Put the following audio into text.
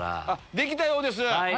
できたようです。